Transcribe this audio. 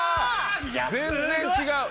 全然違う！